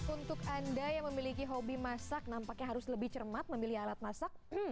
untuk anda yang memiliki hobi masak nampaknya harus lebih cermat memilih alat masak